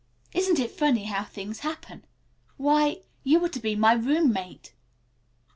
Isn't it funny how things happen? Why, you are to be my roommate."